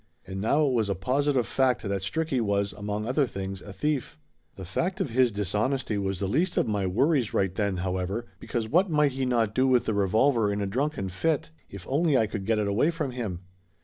And now it was a positive fact that Stricky was, among other things, a thief. The fact of his dishonesty was the least of my wor ries right then, however, because what might he not do with the revolver in a drunken fit? If only I could get it away from him!